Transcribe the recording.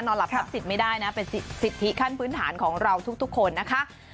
หลับทับสิทธิ์ไม่ได้นะเป็นสิทธิขั้นพื้นฐานของเราทุกคนนะคะ